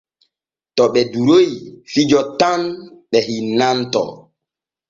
To ɓe duroy fijo tan ɓe hinnantoo.